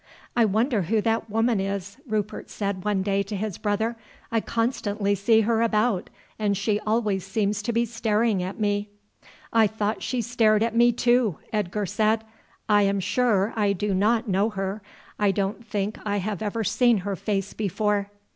"I wonder who that woman is," Rupert said one day to his brother. "I constantly see her about, and she always seems to be staring at me." "I thought she stared at me too," Edgar said. "I am sure I do not know her. I don't think I have ever seen her face before."